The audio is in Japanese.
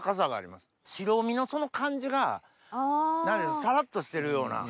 白身のその感じがさらっとしてるような。